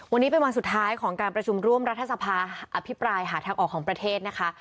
วันนี้เป็นวันสุดท้ายของการประชุมร่วมรัฐสภาอภิปรายหาทางออกของประเทศนะคะ